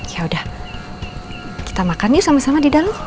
ya udah kita makan yuk sama sama di dalam